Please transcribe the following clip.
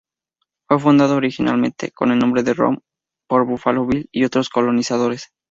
Fue fundada originariamente con el nombre de "Rome" por Buffalo Bill y otros colonizadores.